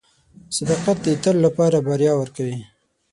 • صداقت د تل لپاره بریا ورکوي.